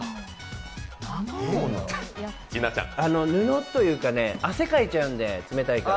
布というか、汗かいちゃうんで、冷たいから。